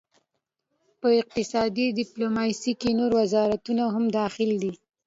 په اقتصادي ډیپلوماسي کې نور وزارتونه هم دخیل دي